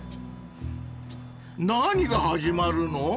［何が始まるの？］